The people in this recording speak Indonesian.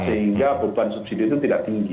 sehingga beban subsidi itu tidak tinggi